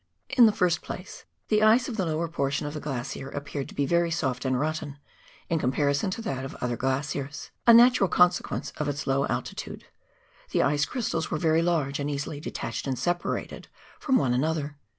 In the first place, the ice of the lower portion of the glacier appeared to be very soft and rotten, in comparison to that of other glaciers — a natural consequence of its low altitude ; the ice crystals were very large, and easily detached and sepa rated from one another.